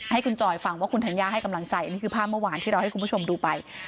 ให้คุณจอยฟังว่าคุณธัญญาให้กำลังใจอันนี้คือภาพเมื่อวานที่เราให้คุณผู้ชมดูไป